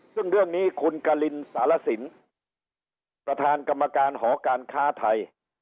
ซึ่งเรื่องนี้คุณกรินสารสินประธานกรรมการหอการค้าไทย